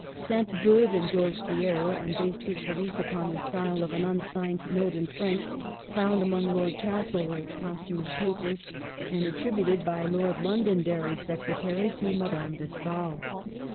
Ste. Beuve endorsed the error, and based his belief upon the style of an unsigned note in French found among Lord Castlereagh's posthumous papers, and attributed by Lord Lon donderry's secretary to Madame de Stael.